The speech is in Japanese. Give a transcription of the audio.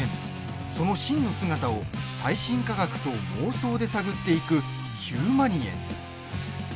その真の姿を最新科学と妄想で探っていく「ヒューマニエンス」。